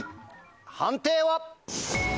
判定は？